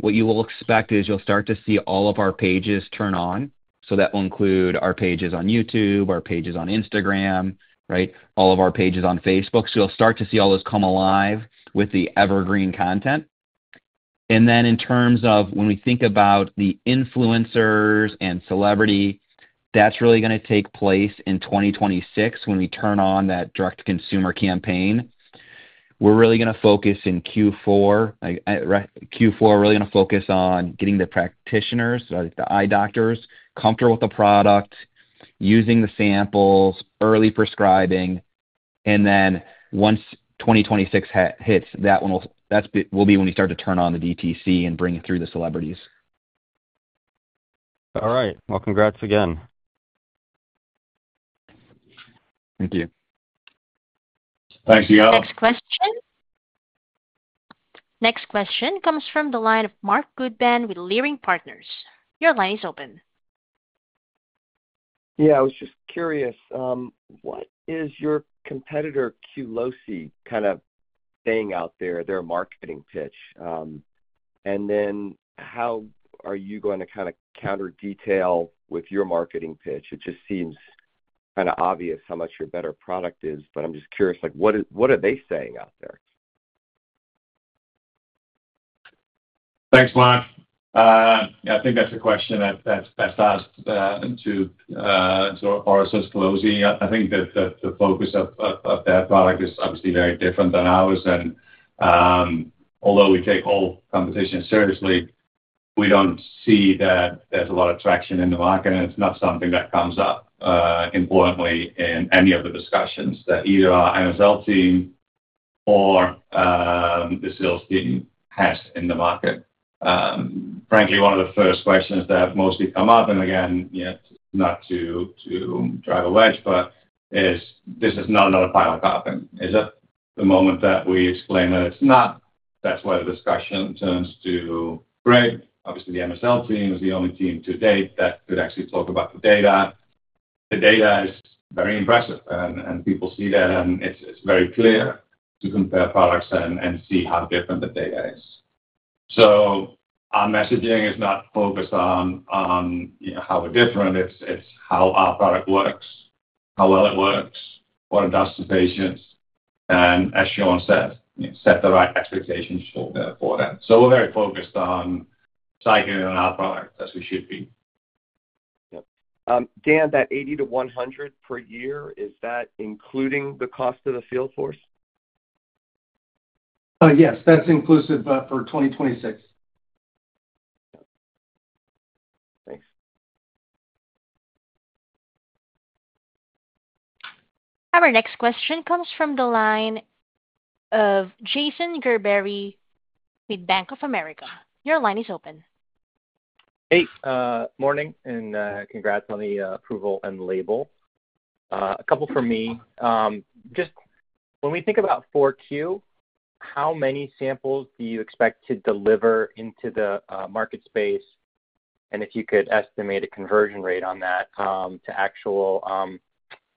what you will expect is you'll start to see all of our pages turn on. That will include our pages on YouTube, our pages on Instagram, all of our pages on Facebook. You'll start to see all those come alive with the evergreen content. In terms of when we think about the influencers and celebrity, that's really going to take place in 2026 when we turn on that direct-to-consumer campaign. We're really going to focus in Q4. Q4, we're really going to focus on getting the practitioners, the eye doctors, comfortable with the product, using the samples, early prescribing. Once 2026 hits, that will be when we start to turn on the DTC and bring it through the celebrities. All right. Congrats again. Thank you. Thanks, Yigal. Next question. Next question comes from the line of Marc Goodman with Leerink Partners. Your line is open. Yeah, I was just curious. What is your competitor Qlosi kind of saying out there, their marketing pitch? How are you going to kind of counter-detail with your marketing pitch? It just seems kind of obvious how much your better product is, but I'm just curious, like what are they saying out there? Thanks, Marc. I think that's a question that's passed off to Qlosi. I think that the focus of their product is obviously very different than ours. Although we take all competition seriously, we don't see that there's a lot of traction in the market, and it's not something that comes up importantly in any of the discussions that either our MSL team or the sales team has in the market. Frankly, one of the first questions that mostly come up, and again, not to drive a wedge, but is this is not another pilot company. The moment that we explain that it's not, that's where the discussion turns to great. Obviously, the MSL team is the only team to date that could actually talk about the data. The data is very impressive, and people see that, and it's very clear to compare products and see how different the data is. Our messaging is not focused on how we're different. It's how our product works, how well it works, what it does for patients, and as Shawn said, set the right expectations for that. We're very focused on psyching in our product as we should be. Dan, that 80 to 100 per year, is that including the cost of the field force? Yes, that's inclusive for 2026. Our next question comes from the line of Jason Gerberry with BofA Securities. Your line is open. Hey, morning, and congrats on the approval and label. A couple for me. Just when we think about 4Q, how many samples do you expect to deliver into the market space? If you could estimate a conversion rate on that to actual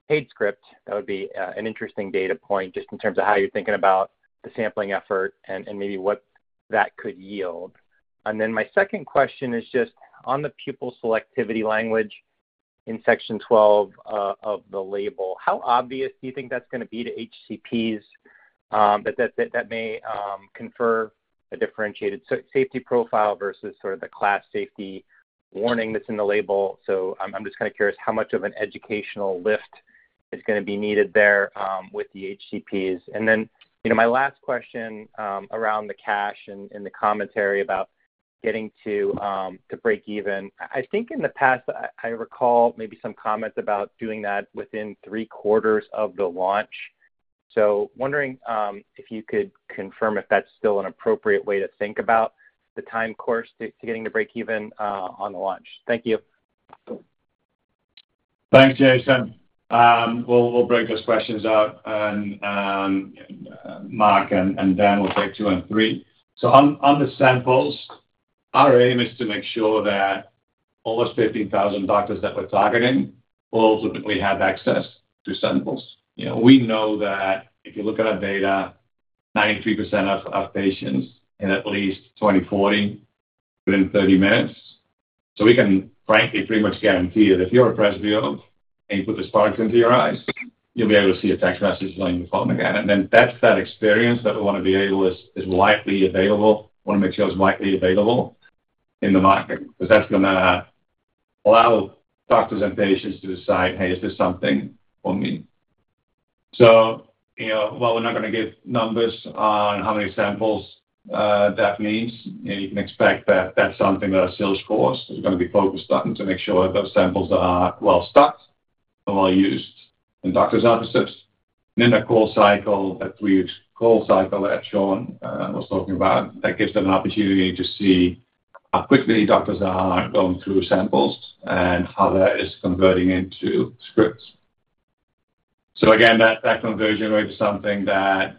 paid script, that would be an interesting data point just in terms of how you're thinking about the sampling effort and maybe what that could yield. My second question is just on the pupil selectivity language in section 12 of the label, how obvious do you think that's going to be to HCPs that may confer a differentiated safety profile versus sort of the class safety warning that's in the label? I'm just kind of curious how much of an educational lift is going to be needed there with the HCPs. My last question around the cash and the commentary about getting to break even, I think in the past, I recall maybe some comments about doing that within three quarters of the launch. Wondering if you could confirm if that's still an appropriate way to think about the time course to getting to break even on the launch. Thank you. Thanks, Jason. We'll break those questions out, Marc, and then we'll take two and three. On the samples, our aim is to make sure that all those 15,000 doctors that we're targeting will ultimately have access to samples. We know that if you look at our data, 93% of patients are at least 20/40 within 30 minutes. We can frankly pretty much guarantee that if you're a presbyope and you put the spark into your eyes, you'll be able to see a text message on your phone again. That's that experience that we want to be able to make widely available. We want to make sure it's widely available in the market. That's going to allow doctors and patients to decide, hey, is this something for me? While we're not going to give numbers on how many samples that means, you can expect that that's something that our sales force is going to be focused on to make sure that those samples are well stocked and well used in doctors' offices. The call cycle, that three-week call cycle that Shawn was talking about, gives them an opportunity to see how quickly doctors are going through samples and how that is converting into scripts. That conversion rate is something that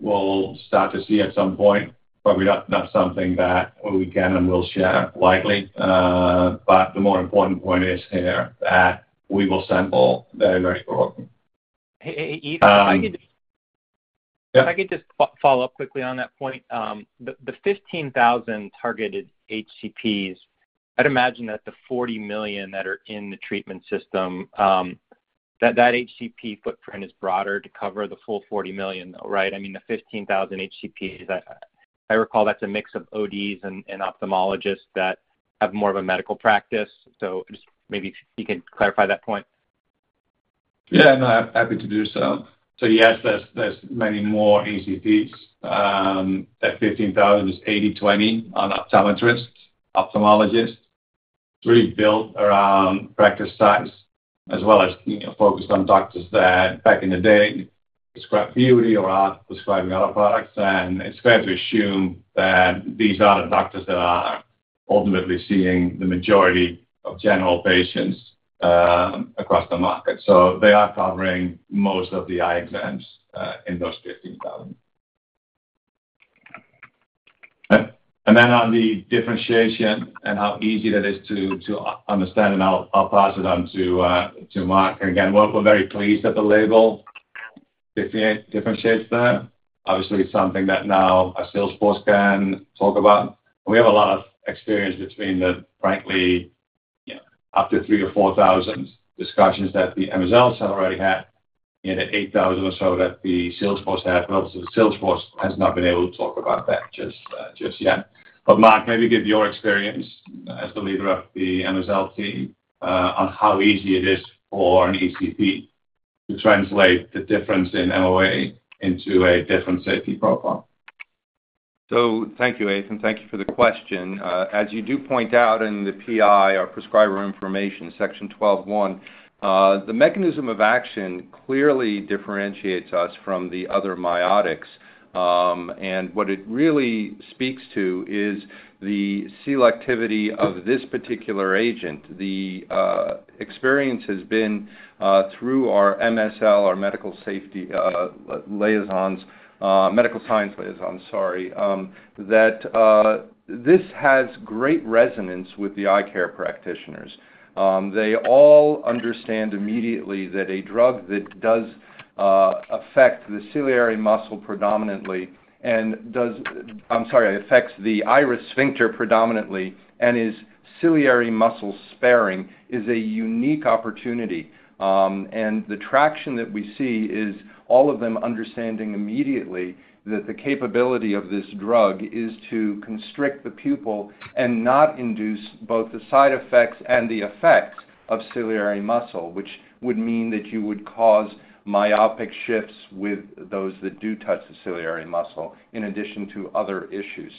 we'll start to see at some point, but it's not something that we can and will share widely. The more important point is here that we will sample very, very broadly. I can just follow up quickly on that point. The 15,000 targeted HCPs, I'd imagine that the 40 million that are in the treatment system, that HCP footprint is broader to cover the full 40 million, though, right? I mean, the 15,000 HCPs, I recall that's a mix of ODs and ophthalmologists that have more of a medical practice. Just maybe if you can clarify that point. Yeah, no, I'm happy to do so. Yes, there's many more HCPs. That 15,000 is 80/20 on optometrists, ophthalmologists, really built around practice size, as well as focused on doctors that back in the day prescribed Vuity or prescribing other products. It's fair to assume that these are the doctors that are ultimately seeing the majority of general patients across the market. They are covering most of the eye exams in those 15,000. On the differentiation and how easy that is to understand, I'll pass it on to Marc. We're very pleased that the label differentiates there. Obviously, it's something that now our sales force can talk about. We have a lot of experience between the, frankly, up to 3,000 or 4,000 discussions that the MSL team already had, and the 8,000 or so that the sales force has. Obviously, the sales force has not been able to talk about that just yet. Marc, maybe give your experience as the leader of the MSL team on how easy it is for an ECP to translate the difference in MOA into a different safety profile. Thank you, Ethan. Thank you for the question. As you do point out in the PI or prescriber information, section 12.1, the mechanism of action clearly differentiates us from the other myotics. What it really speaks to is the selectivity of this particular agent. The experience has been through our MSL, our medical science liaisons, that this has great resonance with the eye care practitioners. They all understand immediately that a drug that does affect the iris sphincter predominantly and is ciliary-sparing is a unique opportunity. The traction that we see is all of them understanding immediately that the capability of this drug is to constrict the pupil and not induce both the side effects and the effects of ciliary muscle, which would mean that you would cause myopic shifts with those that do touch the ciliary muscle in addition to other issues.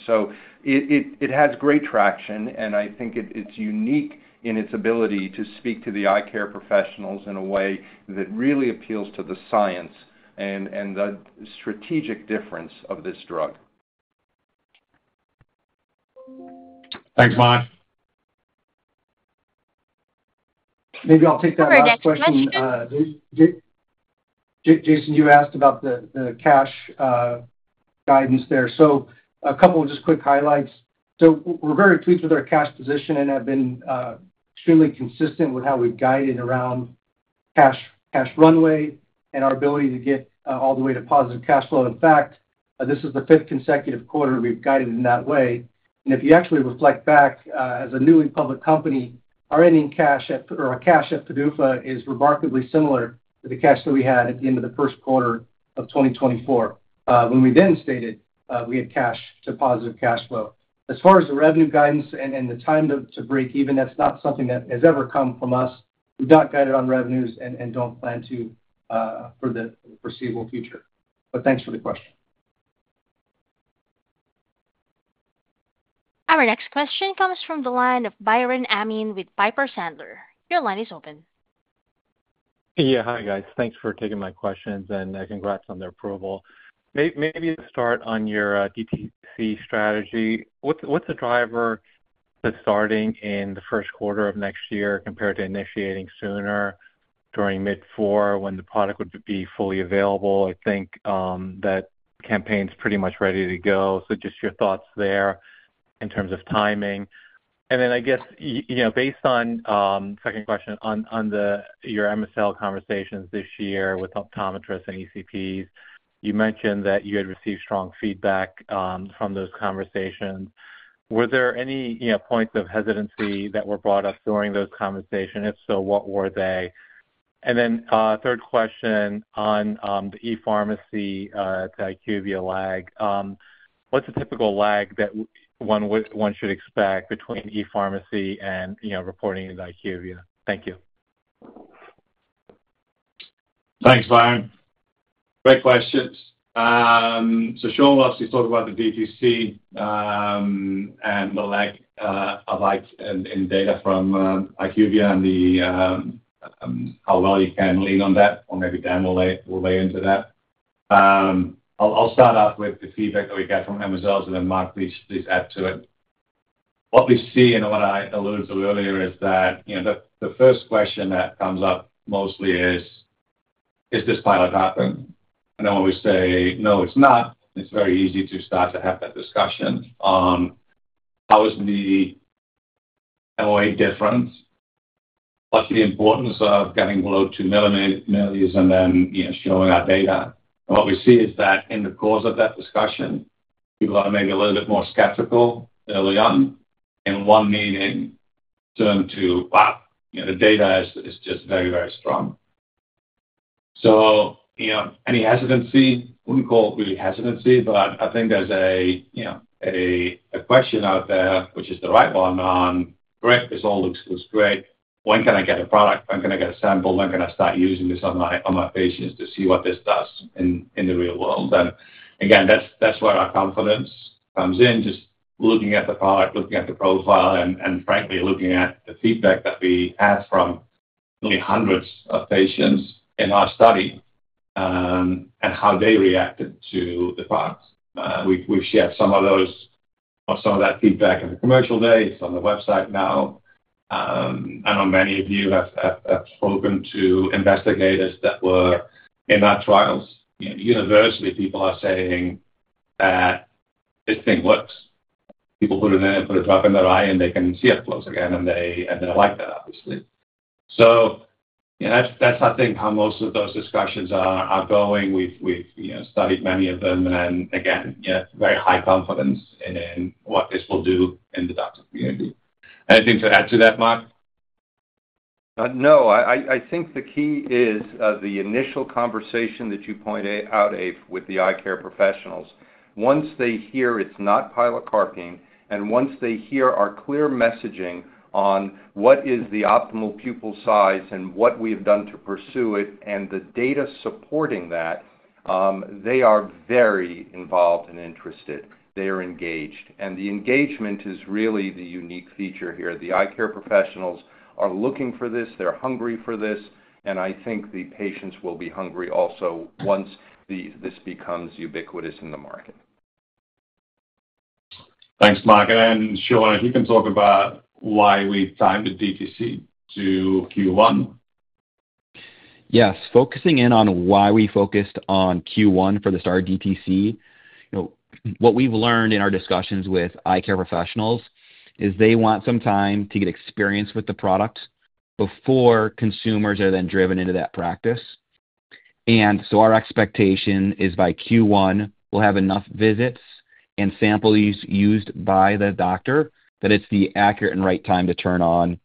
It has great traction, and I think it's unique in its ability to speak to the eye care professionals in a way that really appeals to the science and the strategic difference of this drug. Thanks, Marc. Maybe I'll take that one question. Jason, you asked about the cash guidance there. A couple of just quick highlights. We're very pleased with our cash position and have been extremely consistent with how we've guided around cash runway and our ability to get all the way to positive cash flow. In fact, this is the fifth consecutive quarter we've guided in that way. If you actually reflect back as a newly public company, our ending cash or cash at PDUFA is remarkably similar to the cash that we had at the end of the first quarter of 2024 when we then stated we had cash to positive cash flow. As far as the revenue guidance and the time to break even, that's not something that has ever come from us. We've not guided on revenues and don't plan to for the foreseeable future. Thanks for the question. Our next question comes from the line of Biren Amin with Piper Sandler. Your line is open. Yeah, hi, guys. Thanks for taking my questions and congrats on the approval. Maybe start on your DTC strategy. What's the driver that's starting in the first quarter of next year compared to initiating sooner during mid-four when the product would be fully available? I think that campaign's pretty much ready to go. Just your thoughts there in terms of timing. I guess, based on the second question on your MSL conversations this year with optometrists and ECPs, you mentioned that you had received strong feedback from those conversations. Were there any points of hesitancy that were brought up during those conversations? If so, what were they? Third question on the e-pharmacy to IQVIA lag. What's a typical lag that one should expect between e-pharmacy and reporting to IQVIA? Thank you. Thanks, Biren. Great questions. Shawn will actually talk about the DTC and the lack of data from IQVIA and how well you can lean on that or maybe then we'll weigh into that. I'll start out with the feedback that we get from them as well as then Marc, please add to it. What we see and what I alluded to earlier is that the first question that comes up mostly is, is this pilot happening? When we say, no, it's not, it's very easy to start to have that discussion on how is the MOA different, what's the importance of getting below 2 millis, and then showing that data. What we see is that in the course of that discussion, people are maybe a little bit more skeptical early on. One meeting turned to, wow, the data is just very, very strong. Any hesitancy? We wouldn't call it really hesitancy, but I think there's a question out there, which is the right one on, great, this all looks great. When can I get a product? When can I get a sample? When can I start using this on my patients to see what this does in the real world? That's where our confidence comes in, just looking at the product, looking at the profile, and frankly, looking at the feedback that we had from really hundreds of patients in our study and how they reacted to the product. We've shared some of that feedback in the commercial day. It's on the website now. I know many of you have spoken to investigators that were in our trials. Universally, people are saying that this thing works. People put a drop in their eye and they can see up close again, and they like that, obviously. That's, I think, how most of those discussions are going. We've studied many of them, and again, very high confidence in what this will do in the doctor community. Anything to add to that, Marc? No, I think the key is the initial conversation that you point out, Evert, with the eye care professionals. Once they hear it's not pilocarpine, and once they hear our clear messaging on what is the optimal pupil size and what we've done to pursue it and the data supporting that, they are very involved and interested. They are engaged. The engagement is really the unique feature here. The eye care professionals are looking for this. They're hungry for this. I think the patients will be hungry also once this becomes ubiquitous in the market. Thanks, Marc. Shawn, if you can talk about why we've timed the DTC to Q1. Yes, focusing in on why we focused on Q1 for the start of DTC. What we've learned in our discussions with eye care professionals is they want some time to get experience with the product before consumers are then driven into that practice. Our expectation is by Q1, we'll have enough visits and samples used by the doctor that it's the accurate and right time to turn on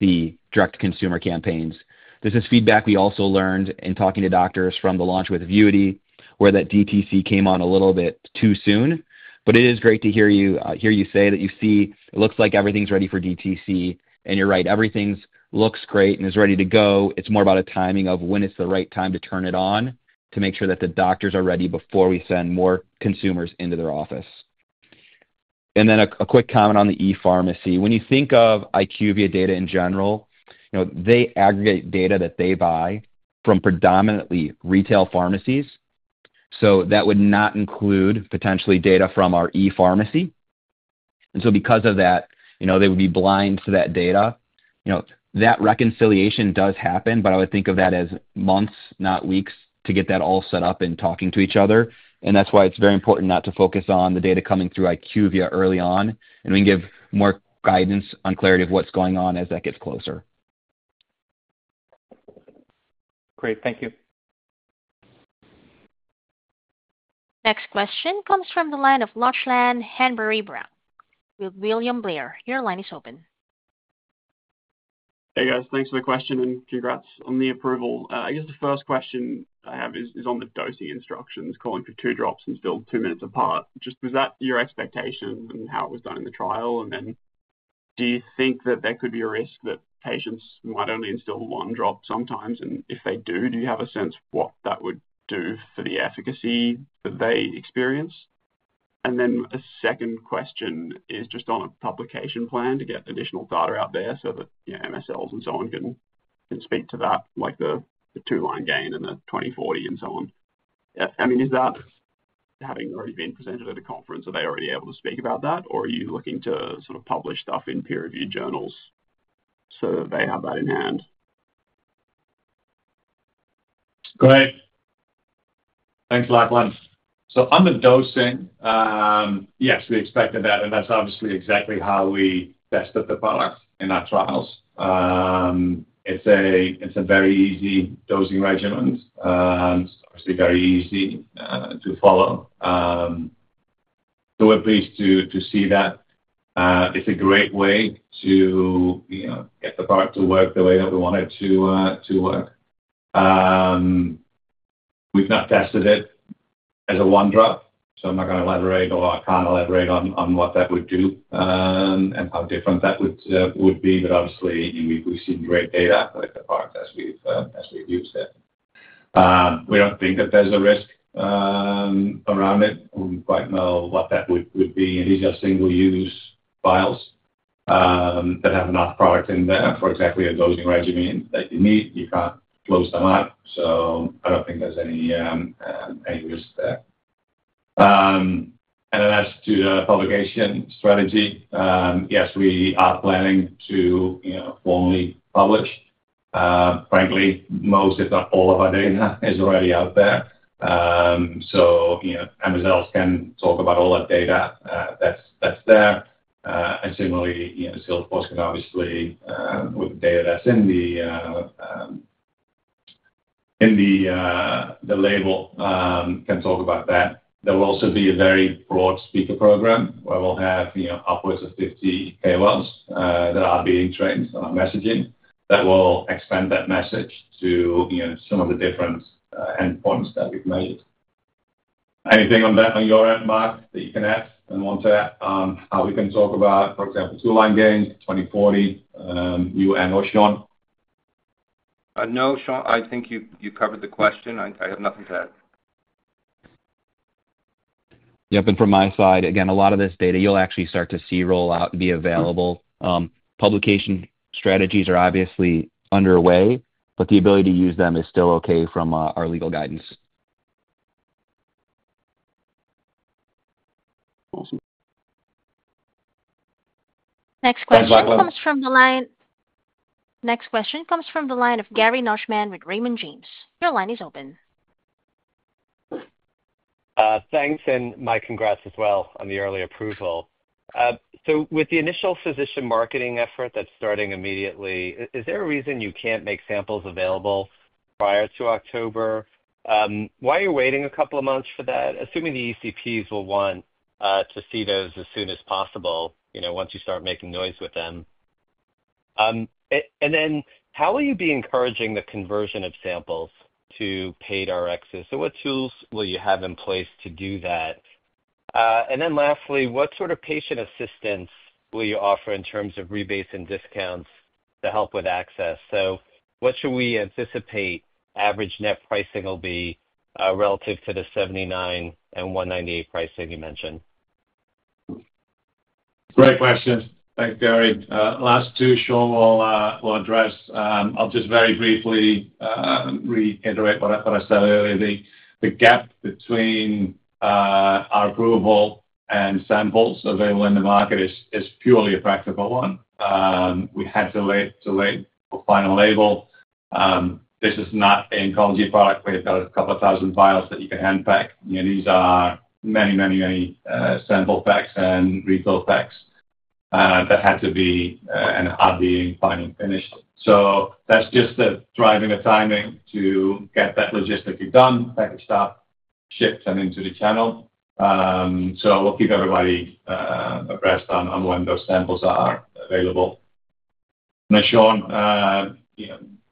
the direct-to-consumer campaigns. This is feedback we also learned in talking to doctors from the launch with Vuity, where that DTC came on a little bit too soon. It is great to hear you say that you see it looks like everything's ready for DTC, and you're right. Everything looks great and is ready to go. It's more about a timing of when it's the right time to turn it on to make sure that the doctors are ready before we send more consumers into their office. A quick comment on the e-pharmacy. When you think of IQVIA data in general, you know they aggregate data that they buy from predominantly retail pharmacies. That would not include potentially data from our e-pharmacy. Because of that, you know they would be blind to that data. That reconciliation does happen, but I would think of that as months, not weeks, to get that all set up and talking to each other. That's why it's very important not to focus on the data coming through IQVIA early on. We can give more guidance on clarity of what's going on as that gets closer. Great. Thank you. Next question comes from the line of Lachlan Hanbury-Brown with William Blair. Your line is open. Hey, guys. Thanks for the question and congrats on the approval. I guess the first question I have is on the dosing instructions. Calling for two drops instilled two minutes apart, was that your expectation and how it was done in the trial? Do you think that there could be a risk that patients might only instill one drop sometimes? If they do, do you have a sense of what that would do for the efficacy that they experience? A second question is just on a publication plan to get additional data out there so that MSL and so on can speak to that, like the two-line gain and the 20/40 and so on. Is that having already been presented at a conference, are they already able to speak about that, or are you looking to sort of publish stuff in peer-reviewed journals so they have that in hand? Great. Thanks, Lachlan. On the dosing, yes, we expected that, and that's obviously exactly how we tested the product in our trials. It's a very easy dosing regimen. It's very easy to follow. We're pleased to see that. It's a great way to get the product to work the way that we want it to work. We've not tested it as a one-drop, so I can't elaborate on what that would do and how different that would be. Obviously, we've seen great data for the product as we've used it. We don't think that there's a risk around it. I don't quite know what that would be. These are single-use vials that have enough product in there for exactly a dosing regimen that you need. You can't close them out. I don't think there's any risk there. As to the publication strategy, yes, we are planning to formally publish. Frankly, most, if not all, of our data is already out there. MSL can talk about all that data that's there. Similarly, sales force can, with the data that's in the label, talk about that. There will also be a very broad speaker program where we'll have upwards of 50 KOLs that are being trained on messaging that will expand that message to some of the different endpoints that we've made. Anything on your end, Marc, that you can add and want to add on how we can talk about, for example, two-line gain, 20/40, you and/or Shawn? No, Shawn, I think you covered the question. I have nothing to add. Yeah, from my side, a lot of this data you'll actually start to see roll out and be available. Publication strategies are obviously underway, but the ability to use them is still okay from our legal guidance. Next question comes from the line of Gary Nachman with Raymond James. Your line is open. Thanks, and my congrats as well on the early approval. With the initial physician marketing effort that's starting immediately, is there a reason you can't make samples available prior to October? Why are you waiting a couple of months for that, assuming the ECPs will want to see those as soon as possible once you start making noise with them? How will you be encouraging the conversion of samples to paid RXs? What tools will you have in place to do that? Lastly, what sort of patient assistance will you offer in terms of rebates and discounts to help with access? What should we anticipate average net pricing will be relative to the $79 and $198 pricing you mentioned? Great question. Thanks, Gary. Last two, Shawn will address. I'll just very briefly reiterate what I said earlier. The gap between our approval and samples available in the market is purely a practical one. We had to wait for final label. This is not in College Park. We have got a couple of thousand vials that you can handpack. These are many, many, many sample packs and retail packs that had to be and are being finally finished. That's just driving the timing to get that logistically done, packaged up, shipped, and into the channel. We'll keep everybody abreast on when those samples are available. Shawn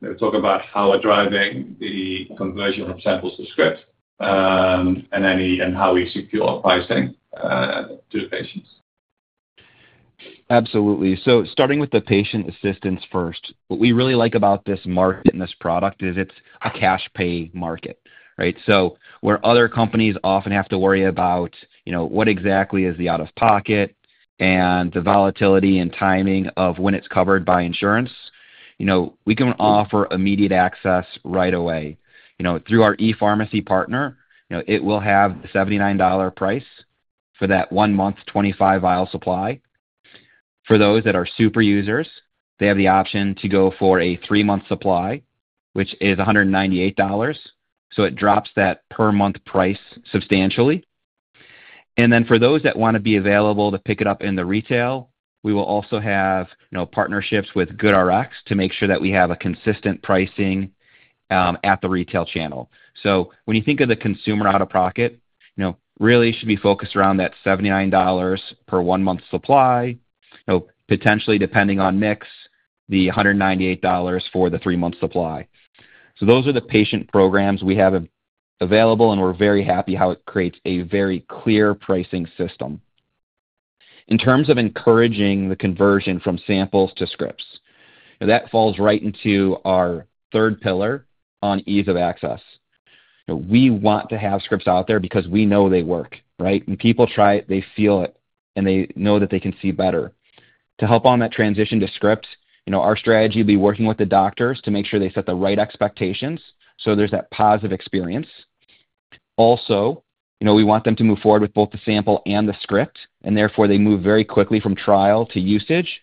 will talk about how we're driving the conversion of samples to script and how we secure pricing to patients. Absolutely. Starting with the patient assistance first, what we really like about this market and this product is it's a cash pay market, right? Where other companies often have to worry about what exactly is the out-of-pocket and the volatility and timing of when it's covered by insurance, we can offer immediate access right away. Through our e-pharmacy partner, it will have the $79 price for that one-month 25-vial supply. For those that are super users, they have the option to go for a three-month supply, which is $198. It drops that per-month price substantially. For those that want to be available to pick it up in the retail, we will also have partnerships with GoodRx to make sure that we have consistent pricing at the retail channel. When you think of the consumer out-of-pocket, it really should be focused around that $79 per one-month supply, potentially, depending on mix, the $198 for the three-month supply. Those are the patient programs we have available, and we're very happy how it creates a very clear pricing system. In terms of encouraging the conversion from samples to scripts, that falls right into our third pillar on ease of access. We want to have scripts out there because we know they work, right? When people try it, they feel it, and they know that they can see better. To help on that transition to scripts, our strategy would be working with the doctors to make sure they set the right expectations so there's that positive experience. Also, we want them to move forward with both the sample and the script, and therefore they move very quickly from trial to usage.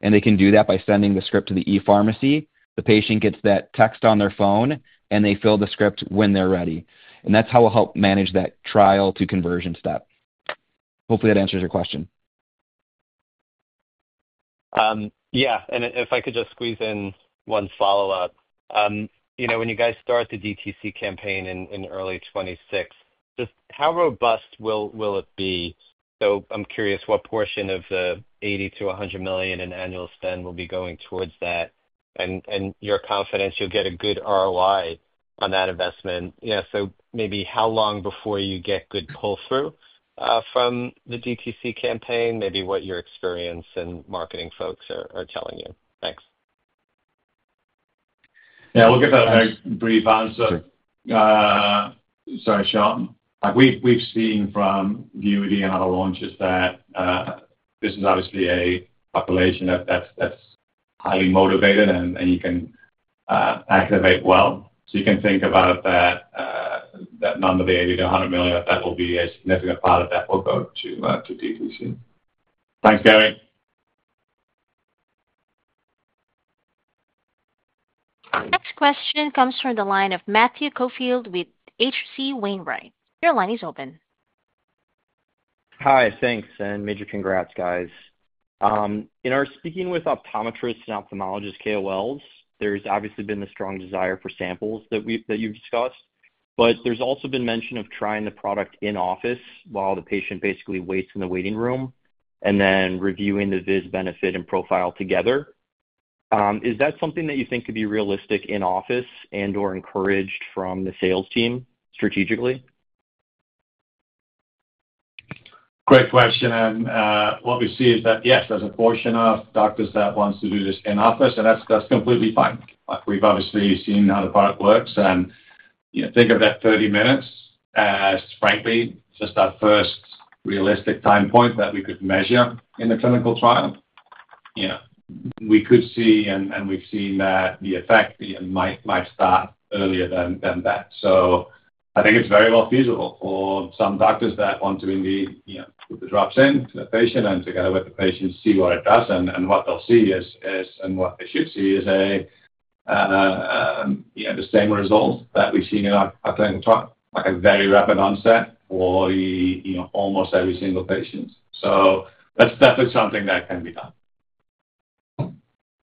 They can do that by sending the script to the e-pharmacy. The patient gets that text on their phone, and they fill the script when they're ready. That's how we'll help manage that trial-to-conversion step. Hopefully, that answers your question. Yeah. If I could just squeeze in one follow-up, you know when you guys start the DTC campaign in early 2026, just how robust will it be? I'm curious what portion of the $80 to $100 million in annual spend will be going towards that and your confidence you'll get a good ROI on that investment. Maybe how long before you get good pull-through from the DTC campaign, maybe what your experience and marketing folks are telling you. Thanks. Yeah, we'll give a brief answer. Sorry, Shawn. We've seen from Vuity and other launches that this is obviously a population that's highly motivated and you can activate well. You can think about that number, the 80 to 100 million, that a significant part of that will go to DTC. Thanks, Gary. Next question comes from the line of Matthew Caufield with HC Wainwright. Your line is open. Hi, thanks, and major congrats, guys. In our speaking with optometrists and ophthalmologists, KOLs, there's obviously been a strong desire for samples that you've discussed. There's also been mention of trying the product in-office while the patient basically waits in the waiting room and then reviewing the vis benefit and profile together. Is that something that you think could be realistic in-office and/or encouraged from the sales team strategically? Great question. What we see is that, yes, there's a portion of doctors that want to do this in-office, and that's completely fine. We've obviously seen how the product works. You think of that 30 minutes as, frankly, just our first realistic time point that we could measure in a clinical trial. We could see, and we've seen, that the effect might start earlier than that. I think it's very well feasible for some doctors that want to drop in to the patient and to kind of let the patient see what it does. What they'll see is, and what they should see, is the same result that we've seen in our clinical trial, like a very rapid onset for almost every single patient. That's definitely something that can be done.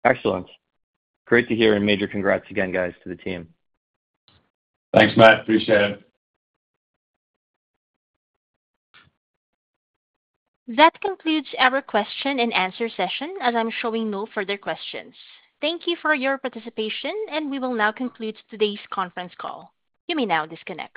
Excellent. Great to hear. Major congrats again, guys, to the team. Thanks, Matt. Appreciate it. That concludes our question and answer session, and I'm showing no further questions. Thank you for your participation, and we will now conclude today's conference call. You may now disconnect.